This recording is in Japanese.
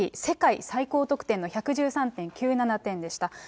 世界最高得点の１１３．９７点でした。